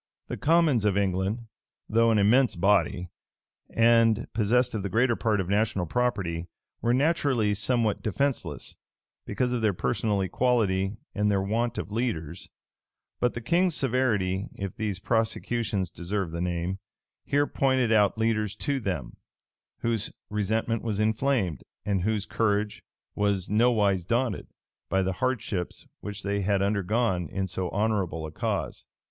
The commons of England, though an immense body, and possessed of the greater part of national property, were naturally somewhat defenceless, because of their personal equality, and their want of leaders: but the king's severity, if these prosecutions deserve the name, here pointed out leaders to them, whose resentment was inflamed, and whose courage was nowise daunted, by the hardships which they had undergone in so honorable a cause.